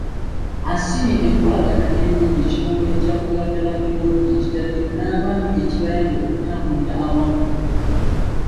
Asiimye enkolagaana ennungi ekitongole kya Buganda Land Board gye kitaddewo n'Abaami ekibayambye okutambulira awamu.